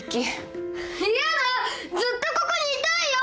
ずっとここにいたいよ！